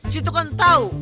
situ kan tau